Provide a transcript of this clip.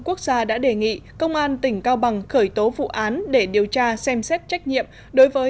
quốc gia đã đề nghị công an tỉnh cao bằng khởi tố vụ án để điều tra xem xét trách nhiệm đối với